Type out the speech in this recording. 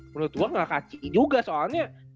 menurut gue gak kacih juga soalnya